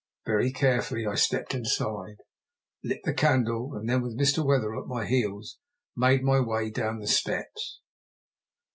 Very carefully I stepped inside, lit the candle, and then, with Mr. Wetherell at my heels, made my way down the steps.